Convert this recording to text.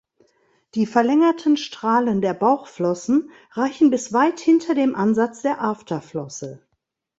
Die verlängerten Strahlen der Bauchflossen reichen bis weit hinter dem Ansatz der Afterflosse.